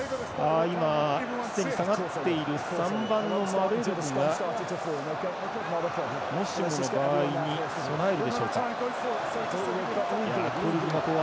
すでに下がっている３番のマレルブがもしもの場合に備えるでしょうか。